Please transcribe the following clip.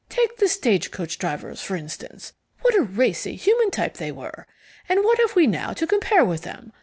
Take the stagecoach drivers, for instance. What a racy, human type they were! And what have we now to compare with them?